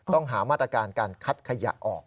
ต้องหามาตรการการคัดขยะออก